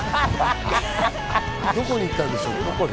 どこに行ったんでしょうか？